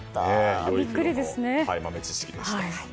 豆知識でした。